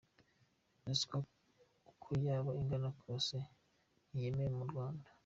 Ruswa uko yaba ingana kose ntiyemewe mu Rwanda.